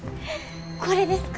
これですか？